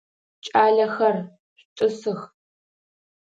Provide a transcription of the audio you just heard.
Кӏалэхэр, шъутӏысых!